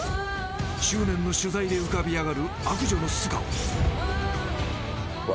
執念の取材で浮かび上がる悪女の素顔。